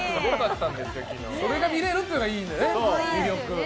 それが見れるというのがいいよね、魅力。